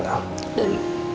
selamat pagi mbak tante